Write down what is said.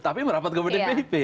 tapi merapat ke pdip